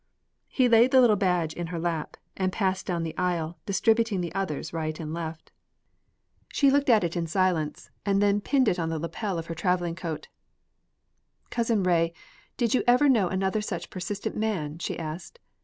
He laid the little badge in her lap, and passed down the aisle, distributing the others right and left. She looked at it in silence a moment, and then pinned it on the lapel of her traveling coat. "Cousin Ray, did you ever know another such persistent man?" she asked.